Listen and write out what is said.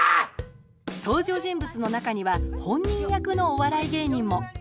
登場人物の中には本人役のお笑い芸人も。